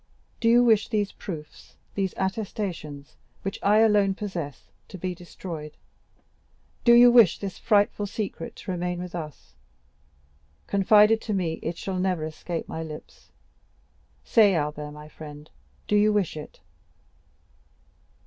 Do you wish these proofs, these attestations, which I alone possess, to be destroyed? Do you wish this frightful secret to remain with us? Confided to me, it shall never escape my lips; say, Albert, my friend, do you wish it?"